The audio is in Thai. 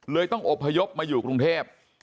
เลยต้องอบภยบมาอยู่กรุงเทพฯ